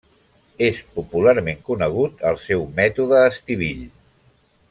És popularment conegut el seu Mètode Estivill.